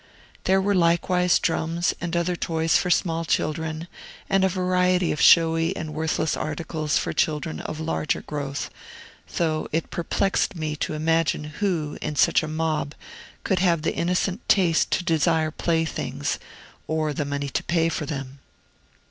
There were likewise drums and other toys for small children, and a variety of showy and worthless articles for children of a larger growth; though it perplexed me to imagine who, in such a mob, could have the innocent taste to desire playthings, or the money to pay for them.